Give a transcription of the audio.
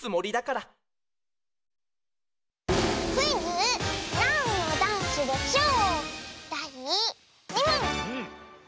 はいなんのダンスでしょう？